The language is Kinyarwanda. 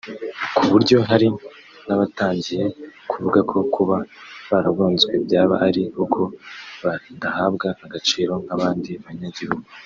kuburyo hari n’abatangiye kuvuga ko kuba baragonzwe byaba ari uko badahabwa agaciro nk’abandi banyagihugu